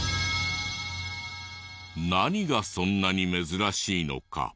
何がそんなに珍しいのか。